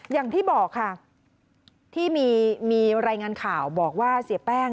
อย่างที่บอกค่ะที่มีรายงานข่าวบอกว่าเสียแป้ง